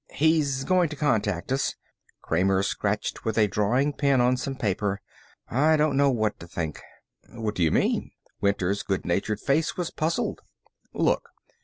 "He's going to contact us." Kramer scratched with a drawing pen on some paper. "I don't know what to think." "What do you mean?" Winter's good natured face was puzzled. "Look."